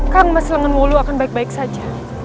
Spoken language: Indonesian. kang mas lengenwulu akan baik baik saja